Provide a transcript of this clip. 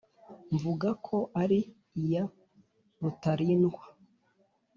Mvuga ko ari iya Rutarindwa.